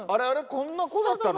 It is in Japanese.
こんな子だったの？